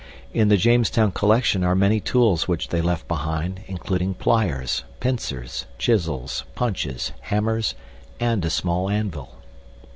In the Jamestown collection are many tools which they left behind, including pliers, pincers, chisels, punches, hammers, and a small anvil.